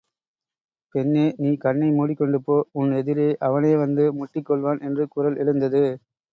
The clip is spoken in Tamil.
பெண்ணே நீ கண்ணை மூடிக்கொண்டு போ உன் எதிரே அவனே வந்து முட்டிக் கொள்வான் என்று குரல் எழுந்தது.